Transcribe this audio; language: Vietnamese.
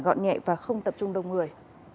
gọn nhẹ và không tập trung đông người